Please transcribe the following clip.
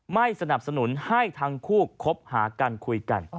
ไม่สนับสนุนให้ทั้งคู่คบหากันคุยกัน